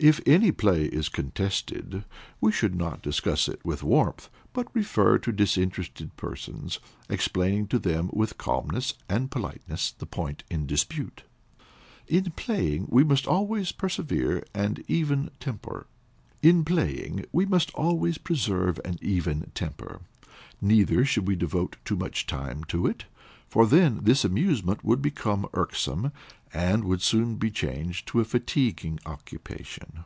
If any play is contested, we should not discuss it with warmth, but refer to disinterested persons, explaining to them with calmness and politeness the point in dispute. In playing, we must always preserve an even temper; neither should we devote too much time to it, for then this amusement would become irksome, and would soon be changed to a fatiguing occupation.